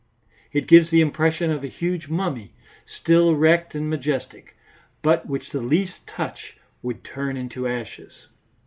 It gives the impression of a huge mummy, still erect and majestic, but which the least touch would turn into ashes.